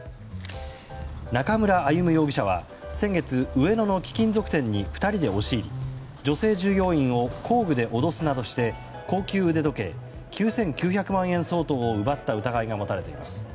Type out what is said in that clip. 中村歩武容疑者は先月上野の貴金属店に２人で押し入り女性従業員を工具で脅すなどして高級腕時計、９９００万円相当を奪った疑いが持たれています。